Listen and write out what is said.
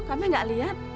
kami enggak lihat